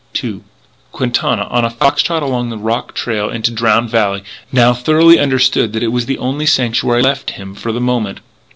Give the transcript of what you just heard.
II Quintana, on a fox trot along the rock trail into Drowned Valley, now thoroughly understood that it was the only sanctuary left him for the moment.